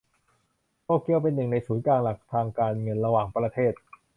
โตเกียวเป็น หนึ่ง ในศูนย์กลางหลักทางการเงินระหว่างประเทศ